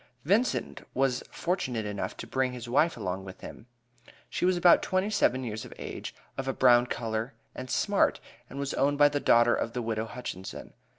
Vincent was fortunate enough to bring his wife along with him. She was about twenty seven years of age, of a brown color, and smart, and was owned by the daughter of the widow Hutchinson.